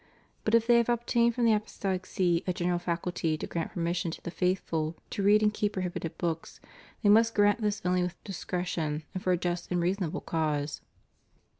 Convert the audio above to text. But if they have obtained from the Apostolic See a general faculty to grant permission to the faithful to read and keep prohibited books, they must grant this only with discretion and for a just and reasonable cause.